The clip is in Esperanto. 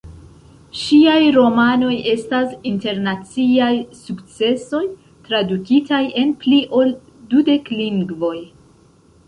Ŝiaj romanoj estas internaciaj sukcesoj, tradukitaj en pli ol dudek lingvoj.